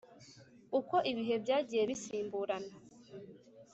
Uko ibihe byagiye bisimburana